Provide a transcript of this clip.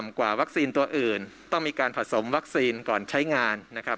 กว่าวัคซีนตัวอื่นต้องมีการผสมวัคซีนก่อนใช้งานนะครับ